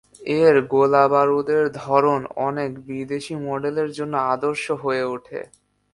এর গোলাবারুদের ধরন অনেক বিদেশী মডেলের জন্য আদর্শ হয়ে ওঠে।